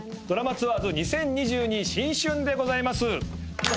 『ドラマツアーズ２０２２新春』でございます。